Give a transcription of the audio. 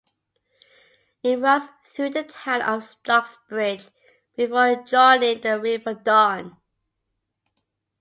It runs through the town of Stocksbridge before joining the River Don.